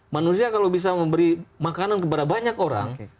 manusia kalau bisa memberi makanan kepada banyak orang